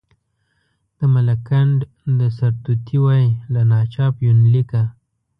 د ملکنډ د سرتوتي وی، له ناچاپ یونلیکه.